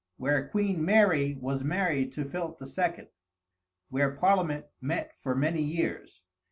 where Queen Mary was married to Philip II.; where Parliament met for many years.